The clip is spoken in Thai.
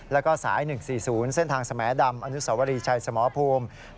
แล้วก็สาย๑๔๐เส้นทางสมดำอนุสวรีชัยสมภูมิ